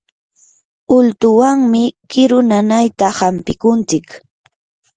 ultuwanmi kiru nanayta hampikuntsik.